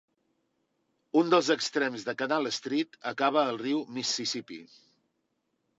Un dels extrems de Canal Street acaba al riu Mississippí.